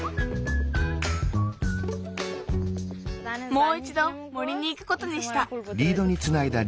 もういちど森にいくことにした。